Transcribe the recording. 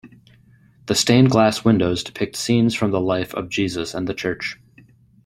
The stained-glass windows depict scenes from the life of Jesus and the Church.